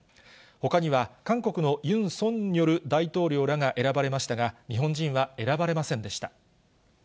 ほかには、韓国のユン・ソンニョル大統領らが選ばれましたが、日本人は選ばれませんでした。